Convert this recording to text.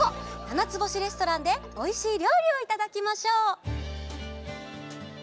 ななつぼしレストランでおいしいりょうりをいただきましょう。